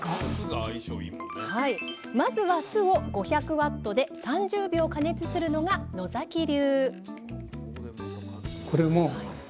まずは酢を５００Ｗで３０秒加熱するのが野流！